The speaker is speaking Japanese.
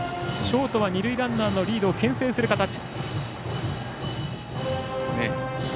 ショートは二塁ランナーのリードをけん制する形。